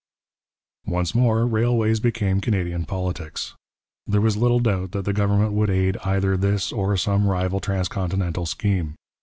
Once more railways became Canadian politics. There was little doubt that the government would aid either this or some rival transcontinental scheme.